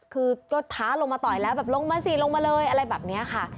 คือก็ท้าลงมาต่อยแล้วแบบลงมาสิลงมาเลยอะไรแบบนี้ค่ะ